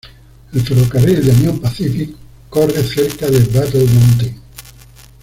El ferrocarril de Union Pacific corre cerca de Battle Mountain.